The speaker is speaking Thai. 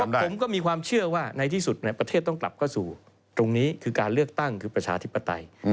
ผมก็มีความเชื่อว่าในที่สุดประเทศต้องกลับเข้าสู่ตรงนี้คือการเลือกตั้งคือประชาธิปไตย